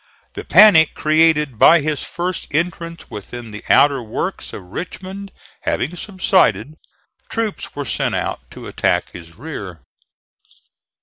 The panic created by his first entrance within the outer works of Richmond having subsided troops were sent out to attack his rear.